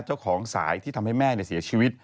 เจ้าของสายที่ทำให้แม่เสียชีวิต